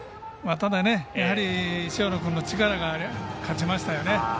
ただ塩野君の力が勝ちましたね。